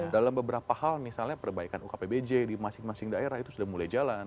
dalam beberapa hal misalnya perbaikan ukpbj di masing masing daerah itu sudah mulai jalan